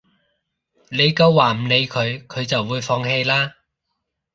你夠話唔理佢，佢就會放棄啦